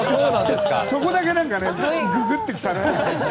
そこだけググっと来たね。